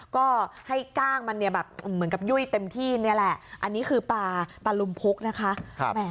ก็ให้กล้างมันเนี่ยแบบเหมือนกับยุ่ยเต็มที่นี่แหละอันนี้คือปลาตะลุมพุกนะคะ